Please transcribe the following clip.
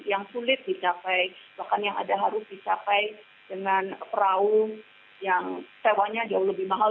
yang sulit dicapai bahkan yang ada harus dicapai dengan perahu yang sewanya jauh lebih mahal